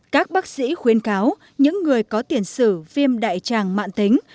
các bác sĩ khuyên cáo những người có tiền sử viêm đại tràng mạng tính